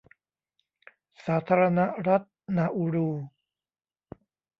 สาธารณรัฐนาอูรู